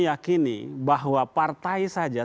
yakini bahwa partai saja